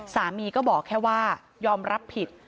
สามีก็บอกแค่ว่ายอมรับผิด